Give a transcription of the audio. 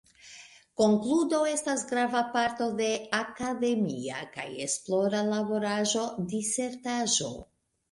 Konkludo estas grava parto de akademia kaj esplora laboraĵo, disertaĵo.